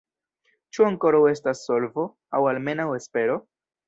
Ĉu ankoraŭ estas solvo, aŭ almenaŭ espero?